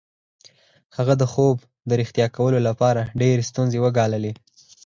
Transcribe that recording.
هغه د خوب رښتیا کولو لپاره ډېرې ستونزې وګاللې